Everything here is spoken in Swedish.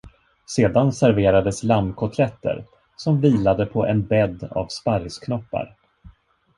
Sedan serverades lammkotletter, som vilade på en bädd av sparrisknoppar.